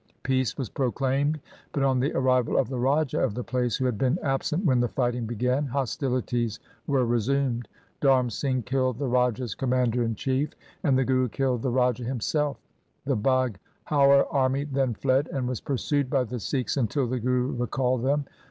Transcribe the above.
Peace was pro claimed, but on the arrival of the raja of the place, who had been absent when the fighting began, hostilities were resumed. Dharm Singh killed the raja's commander in chief, and the Guru killed the raja himself. The Baghaur army then fled, and was pursued by the Sikhs until the Guru recalled them.